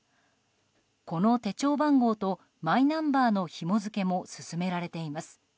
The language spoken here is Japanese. この手帳番号とマイナンバーのひも付けも進められています。